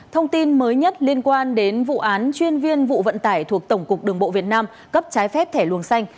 thông tin mới nhất liên quan đến vụ án chuyên viên vụ vận tải thuộc tổng cục đường bộ việt nam cấp trái phép thẻ luồng xanh